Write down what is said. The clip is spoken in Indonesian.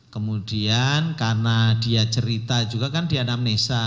kemudian karena dia cerita juga kan di anam nesa